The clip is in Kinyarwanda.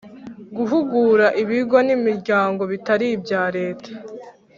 guhugura ibigo n’imiryango bitari ibya leta